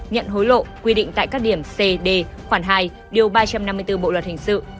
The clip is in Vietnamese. nhận hối lộ quy định tại các điểm c d khoản hai điều ba trăm năm mươi bốn bộ luật hình sự